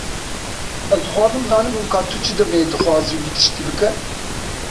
Ez dixwazim zanibim ka tu çi demê dixwazî wî tiştî bike.